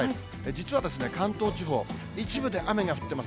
実は関東地方、一部で雨が降ってます。